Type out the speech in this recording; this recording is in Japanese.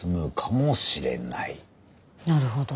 なるほど。